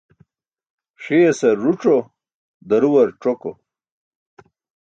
Ṣiyasar ruc̣o, duruwar c̣oko.